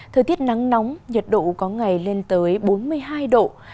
thời tiết nắng nóng nhiệt độ có ngày lên tới bốn mươi hai độ